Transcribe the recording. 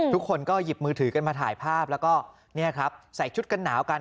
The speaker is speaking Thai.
ทุกคนก็หยิบมือถือกันมาถ่ายภาพแล้วก็เนี่ยครับใส่ชุดกันหนาวกัน